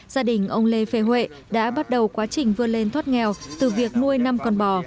gia đình ông lê phê huệ đã bắt đầu quá trình vươn lên thoát nghèo từ việc nuôi năm con bò